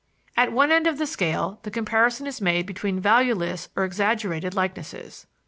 At one end of the scale, the comparison is made between valueless or exaggerated likenesses.